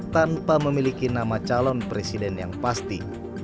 tanpa memiliki nama calon presiden yang pasti